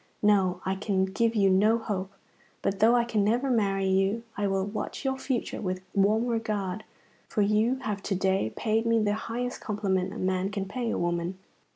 No, I can give you no hope; but though I can never marry you, I will watch your future with warm regard, for you have to day paid me the highest compliment a man can pay a woman."